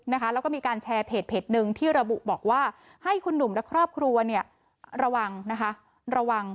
แล้วก็มีการแชร์เพจหนึ่งที่ระบุบอกว่าให้คุณหนุ่มและครอบครัวระวัง